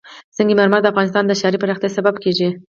سنگ مرمر د افغانستان د ښاري پراختیا سبب کېږي.